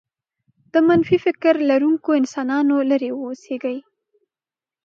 د منفي فكر لرونکو انسانانو لرې اوسېږئ.